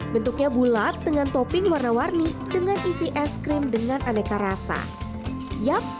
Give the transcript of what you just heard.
bentuknya bulat dengan topping warna warni dengan isi es krim dengan aneka rasa yap